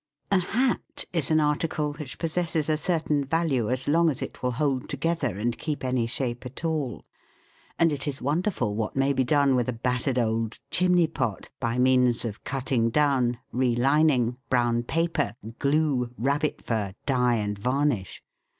A hat is an article which possesses a certain value as long as it will hold together and keep any shape at all ; and it is wonderful what may be done with a battered old "chimney pot," by means of cutting down, re lining, brown paper, glue, rabbit fur, dye, and varnish.